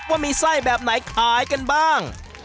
ว่ามีไส้แบบไหนขายกันบ้าง